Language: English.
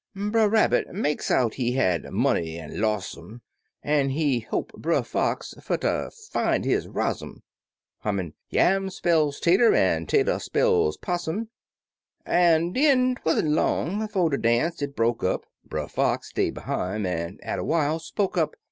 Brer Rabbit makes out he had money an' los' um. An' he holp Brer Fox fer ter fin' his rozzum, Hummin', "Yam spells tater, an' tater spells pos sum," An' den 'twan't long 'fo' de dance, it broke up; Brer Fox stay behime, an', atter while, spoke up.